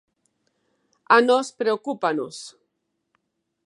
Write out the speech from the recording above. A nós preocúpanos.